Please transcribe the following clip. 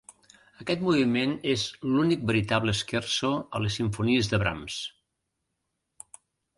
Aquest moviment és l'únic veritable scherzo a les simfonies de Brahms.